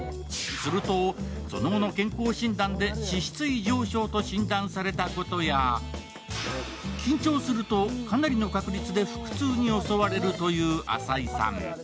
すると、その後の健康診断で脂質異常症と診断されたことや緊張するとかなりの確率で腹痛に襲われるという朝井さん。